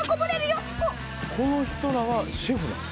この人らはシェフなの？